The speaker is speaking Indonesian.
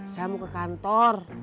saya mau ke kantor